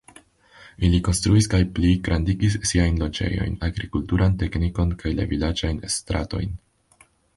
Ili konstruis kaj pligrandigis siajn loĝejojn, agrikulturan teknikon kaj la vilaĝajn stratojn.